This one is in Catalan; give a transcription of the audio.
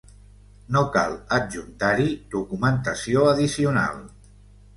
No cal adjuntar-hi documentació addicional.